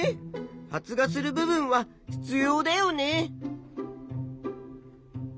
発芽する部分は必要だよね。